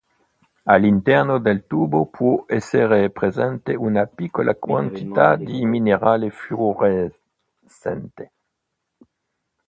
All'interno del tubo può essere presente una piccola quantità di minerale fluorescente.